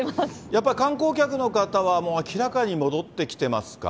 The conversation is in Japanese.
やっぱり観光客の方は、もう明らかに戻ってきてますか？